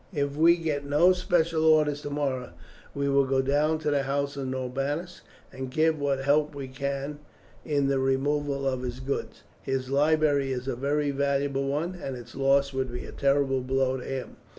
If we get no special orders tomorrow, we will go down to the house of Norbanus and give what help we can in the removal of his goods. His library is a very valuable one, and its loss would be a terrible blow to him.